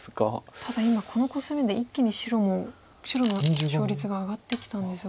ただ今このコスミで一気に白の勝率が上がってきたんですが。